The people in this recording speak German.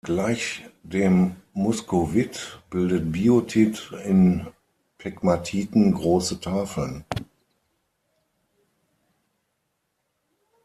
Gleich dem Muskovit bildet Biotit in Pegmatiten große Tafeln.